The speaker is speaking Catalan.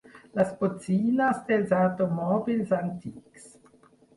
Les botzines dels automòbils antics.